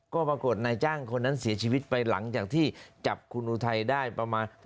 ก็ปรากฏนายจ้างคนนั้นเสียชีวิตไปหลังจากที่จับคุณอุทัยได้ประมาณ